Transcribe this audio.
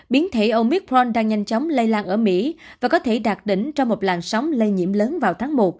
biến thể omicron đang nhanh chóng lây lan ở mỹ và có thể đạt đỉnh cho một làn sóng lây nhiễm lớn vào tháng một